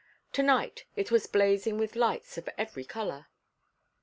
To night it was blazing with lights of every color.